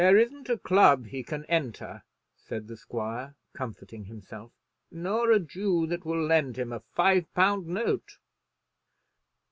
"There isn't a club he can enter," said the squire, comforting himself, "nor a Jew that will lend him a five pound note."